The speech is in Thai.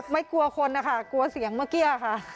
ไม่กลัวคนนะคะกลัวเสียงเมื่อกี้ค่ะ